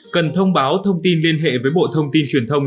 cần thông báo thông tin liên hệ với bộ thông tin truyền thông